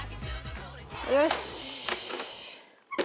よし！